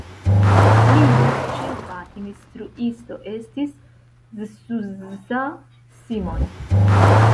Lia ĉefa instruisto estis Zsuzsa Simon.